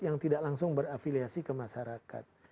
yang tidak langsung berafiliasi ke masyarakat